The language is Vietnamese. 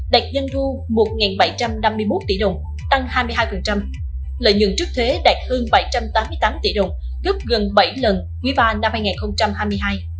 đạt doanh thu một bảy trăm năm mươi một tỷ đồng tăng hai mươi hai lợi nhuận trước thuế đạt hơn bảy trăm tám mươi tám tỷ đồng gấp gần bảy lần quý ba năm hai nghìn hai mươi hai